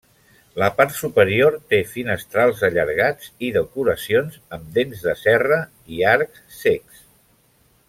La part superior té finestrals allargats i decoracions amb dents de serra i arcs cecs.